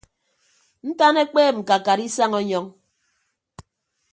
Ntan ekpeep ñkakat isañ ọnyọñ.